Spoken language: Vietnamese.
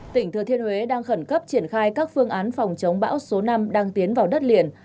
tỉnh thừa thiên huế đang khẩn cấp triển khai các phương án phòng chống bão số năm đang tiến vào đất liền